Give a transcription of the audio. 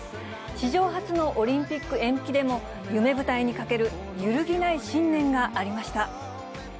史上初のオリンピック延期でも、夢舞台にかける揺るぎない信念がありました。